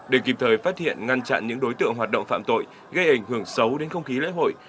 để kịp thời phát hiện ngăn chặn những đối tượng hoạt động phạm tội gây ảnh hưởng xấu đến không khí lễ hội